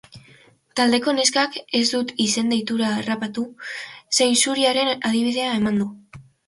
Taldeko neskak, ez dut izen-deitura harrapatu, zainzurien adibidea eman du.